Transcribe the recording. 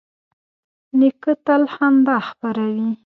نیکه تل خندا خپروي.